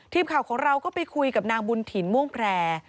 ทีมข่าวของเราก็ไปคุยกับนางบุญถิ่นม่วงแพร่